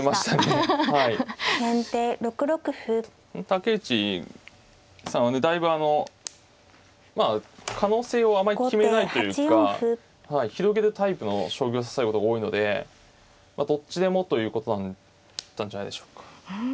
竹内さんはだいぶあのまあ可能性をあまり決めないというか広げるタイプの将棋を指されることが多いのでどっちでもということなんじゃないでしょうか。